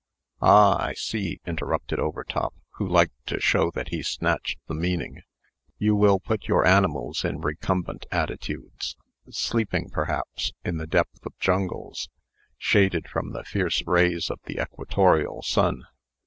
"Ah, I see," interrupted Overtop, who liked to show that he snatched the meaning; "you will put your animals in recumbent attitudes sleeping, perhaps, in the depth of jungles, shaded from the fierce rays of the equatorial sun."